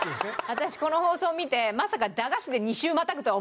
私この放送見てまさか駄菓子で２週またぐとは思わなかったです。